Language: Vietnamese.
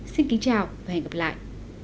xin kính chào và hẹn gặp lại